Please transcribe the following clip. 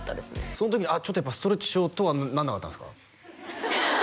その時にああちょっとやっぱストレッチしようとはなんなかったんですか？